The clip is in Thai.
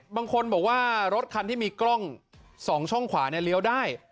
บางคนบอกว่ารถคันที่มีกล้อง๒ช่องขวาเนี่ยเลี้ยวได้